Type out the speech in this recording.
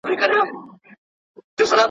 شیخ به پروت وي په خلوت کي خو قدرت به پکښي نه وي